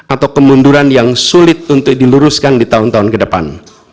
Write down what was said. atau kemunduran yang sulit untuk diluruskan di tahun tahun ke depan